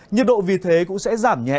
nhiệt độ vì thế cũng sẽ giảm nhẹ